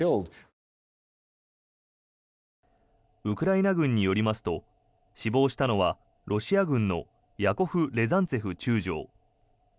ウクライナ軍によりますと死亡したのはロシア軍のヤコフ・レザンツェフ中将。